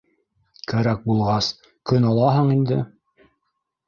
Кәрәк булғас... көн алаһың инде.